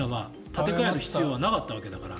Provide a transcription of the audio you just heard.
立て替える必要はなかったわけだから。